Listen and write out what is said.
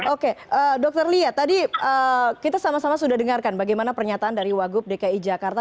oke dr lia tadi kita sama sama sudah dengarkan bagaimana pernyataan dari wagub dki jakarta